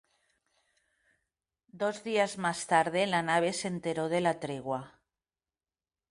Dos días más tarde, la nave se enteró de la tregua.